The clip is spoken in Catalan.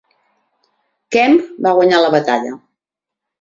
Kemp va guanyar la batalla.